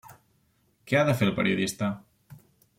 Què ha de fer el periodista?